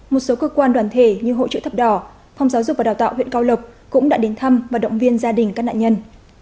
một số cơ quan đoàn thể như hội chữ thập đỏ phòng giáo dục và đào tạo huyện cao lộc cũng đã đến thăm và động viên gia đình các nạn nhân